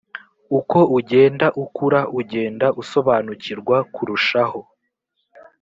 uko ugenda ukura ugenda usobanukirwa kurushaho